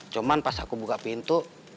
cuman pas aku buka pintu